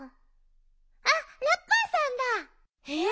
あっラッパーさんだ。え？